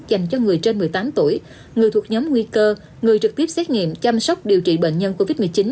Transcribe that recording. dành cho người trên một mươi tám tuổi người thuộc nhóm nguy cơ người trực tiếp xét nghiệm chăm sóc điều trị bệnh nhân covid một mươi chín